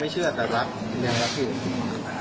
ไม่เชื่อแต่รักยังรักอยู่